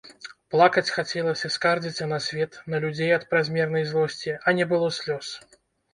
Плакаць хацелася, скардзіцца на свет, на людзей ад празмернай злосці, а не было слёз.